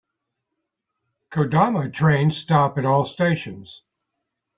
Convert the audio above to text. "Kodama" trains stop at all stations.